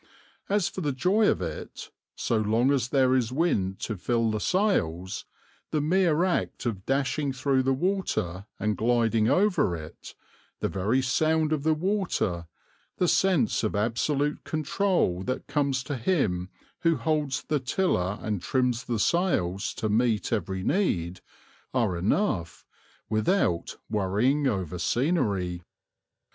As for the joy of it, so long as there is wind to fill the sails, the mere act of dashing through the water and gliding over it, the very sound of the water, the sense of absolute control that comes to him who holds the tiller and trims the sails to meet every need, are enough, without worrying over scenery.